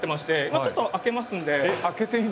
今ちょっと開けますんで。